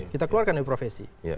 kita keluarkan dari profesi